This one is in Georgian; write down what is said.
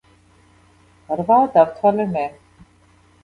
რვა დავთვალე მე.